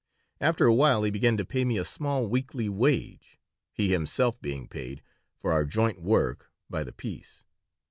After a while he began to pay me a small weekly wage, he himself being paid, for our joint work, by the piece.